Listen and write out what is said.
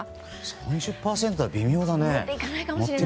３０％は微妙だね。